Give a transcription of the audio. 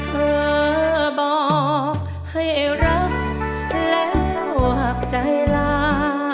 เธอบอกให้รักแล้วหากใจลา